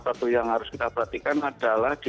satu yang harus kita perhatikan adalah di